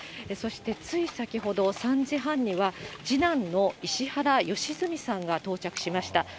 そしてつい先ほど、３時半には、次男の石原良純さんが到着しました。